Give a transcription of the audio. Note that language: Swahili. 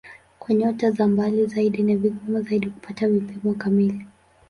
Kwa nyota za mbali zaidi ni vigumu zaidi kupata vipimo kamili.